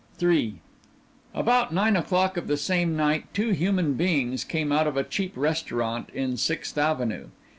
III About nine o'clock of the same night two human beings came out of a cheap restaurant in Sixth Avenue.